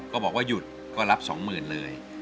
ก็บอกว่าหยุดก็รับ๒๐๐๐เลย